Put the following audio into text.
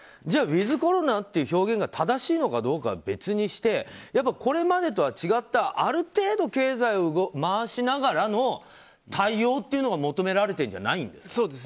じゃあウィズコロナという表現が正しいのかは別にしてこれまでとは違ったある程度、経済を回しながらの対応っていうのが求められてるんじゃないんですか。